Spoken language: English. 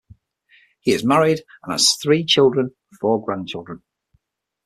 He is married and has three children and four grandchildren.